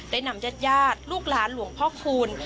นำญาติญาติลูกหลานหลวงพ่อคูณ